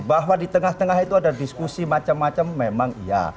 bahwa di tengah tengah itu ada diskusi macam macam memang iya